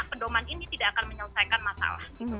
pedoman ini tidak akan menyelesaikan masalah